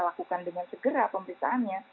lakukan dengan segera pemeriksaannya